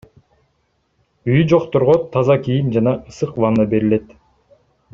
Үйү жокторго таза кийим жана ысык ванна берилет.